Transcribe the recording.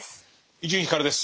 伊集院光です。